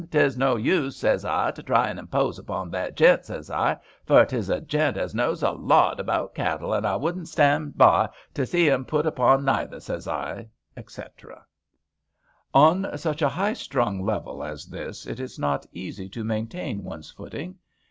'Tis no use, zays I, to try and impose upon that gent, zays I, fur 'tis a gent as knaws a lawt about cattle, and I wouldn't stand by to see un put upon neither, zays I," etc. 35 HAMPSHIRE VIGNETTES On such a high strung level as this it is not easy to maintain one's footing.